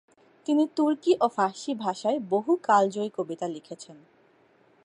তিনি তুর্কি ও ফারসি ভাষায় বহু কালজয়ী কবিতা লিখেছেন।